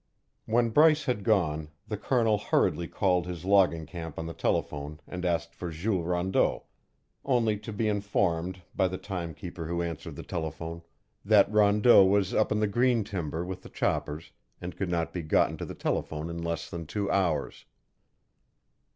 When Bryce had gone, the Colonel hurriedly called his logging camp on the telephone and asked for Jules Rondeau, only to be informed, by the timekeeper who answered the telephone, that Rondeau was up in the green timber with the choppers and could not be gotten to the telephone in less than two hours.